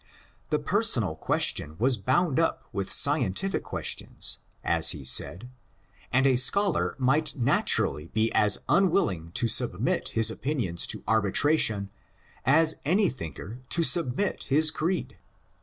The personal question was bound up with scientific questions, as he said, and a scholar might naturally be as unwilling to submit his opinions to arbitration as any thinker to so submit his creed.